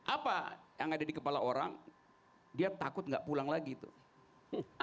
apa yang ada di kepala orang dia takut nggak pulang lagi tuh